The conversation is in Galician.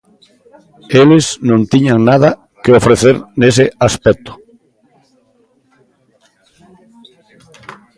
Eles non tiñan nada que ofrecer nese aspecto.